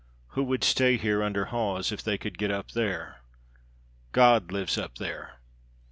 Who would stay here under Hawes if they could get up there? God lives up there!